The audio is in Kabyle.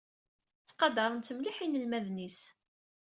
Ttqadaren-t mliḥ inelmaden-is.